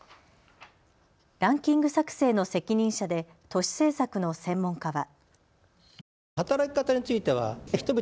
ランキング作成の責任者で都市政策の専門家は。